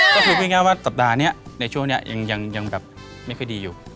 ก็คือพูดง่ายว่าสัปดาห์นี้ในช่วงนี้ยังแบบไม่ค่อยดีอยู่